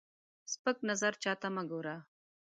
سپک نظر چاته مه ګوره